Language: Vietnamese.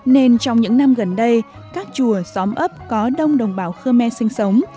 nên trong những năm gần đây các chùa xóm ấp có đông đồng bào khơ me sinh sống